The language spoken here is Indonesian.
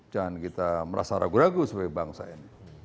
jangan kita merasa ragu ragu sebagai bangsa ini